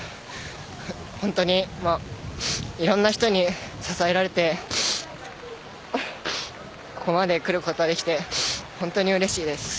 本当にいろんな人に支えられてここまで来ることができて本当にうれしいです。